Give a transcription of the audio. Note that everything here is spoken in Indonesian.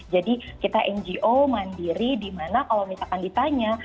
jadi kita ngo mandiri di mana kalau misalkan ditanya